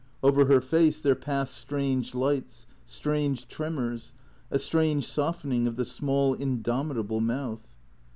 Over her face there passed strange lights, strange tremors, a strange softening of the small indomitable mouth.